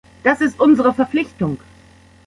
Das ist unsere Verpflichtung.